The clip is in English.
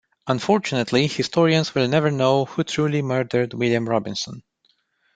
Unfortunately, historians will never know who truly murdered William Robinson.